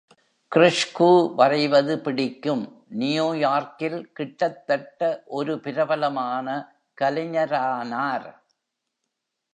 கிறிஸ்க்கு வரைவது பிடிக்கும், நியூயார்க்கில் கிட்டத்தட்ட ஒரு பிரபலமான கலைஞரானார்.